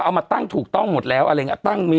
เอามาตั้งถูกต้องหมดแล้วอะไรอย่างนี้